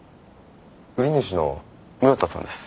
売り主の室田さんです。